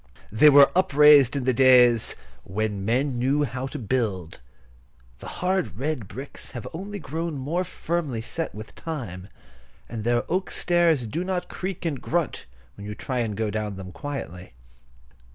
They were upraised in the days "when men knew how to build." The hard red bricks have only grown more firmly set with time, and their oak stairs do not creak and grunt when you try to go down them quietly.